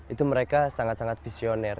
itu mereka sangat sangat visioner